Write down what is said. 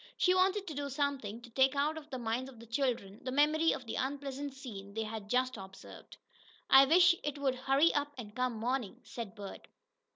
She wanted to do something to take out of the minds of the children the memory of the unpleasant scene they had just observed. "I wish it would hurry up and come morning," said Bert.